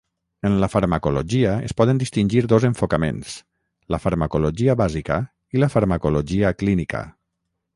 En la farmacologia es poden distingir dos enfocaments, la farmacologia bàsica i la farmacologia clínica.